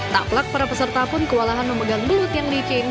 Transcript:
tak pelak para peserta pun kewalahan memegang belut yang licin